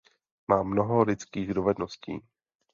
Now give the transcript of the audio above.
Má mnoho lidských dovedností.